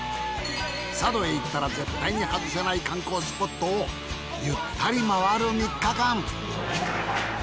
佐渡へ行ったら絶対にはずせない観光スポットをゆったりまわる３日間。